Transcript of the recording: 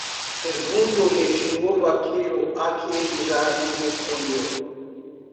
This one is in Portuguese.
pergunto-lhe de novo aquilo a que ele já me respondeu